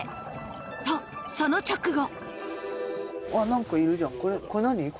と、その直後。